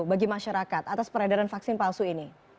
bagi masyarakat atas peredaran vaksin palsu ini